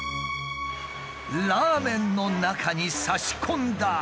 ラーメンの中に差し込んだ。